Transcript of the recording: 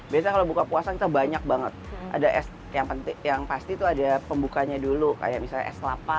biasanya kalau buka puasa kita banyak banget ada es yang penting yang pasti tuh ada pembukanya dulu kayak misalnya es kelapa